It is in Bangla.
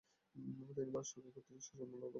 তিনি ভারত সরকার কর্তৃক শামসুল উলামা উপাধিতে ভূষিত হন।